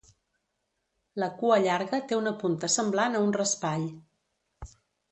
La cua llarga té una punta semblant a un raspall.